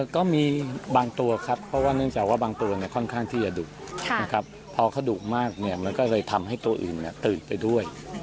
ก็มีบางตัวครับแต่นึกจากว่าบางตัวเนี่ยค่อนข้างที่จะดุขอโอเขาดุมากเนี่ยก็เลยทำให้ตัวอื่นตืนไปด้วยนะครับ